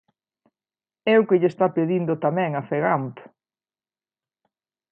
É o que lle está pedindo tamén a Fegamp.